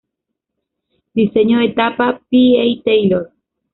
Diseño de tapa: P. A. Taylor.